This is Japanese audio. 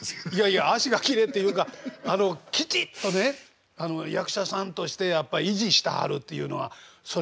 いや脚がきれいっていうかきちっとね役者さんとしてやっぱ維持したはるっていうのはそれを感じますよ。